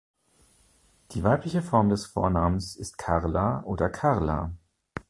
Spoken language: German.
Die weibliche Form des Vornamens ist Karla oder Carla.